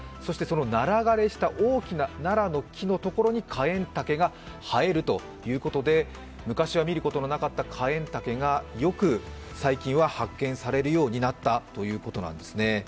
ナラ枯れした大きな木のところにカエンタケが生えるということで、昔は見ることのなかったカエンタケが、最近はよく発見されるようになったということです。